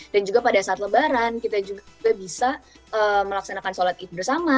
dan juga pada saat lebaran kita juga bisa melaksanakan sholat it bersama